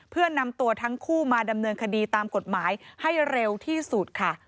เพื่อนำตัวทั้งคู่มาดำเนินคดีตามกฎหมายให้เร็วที่สุดค่ะ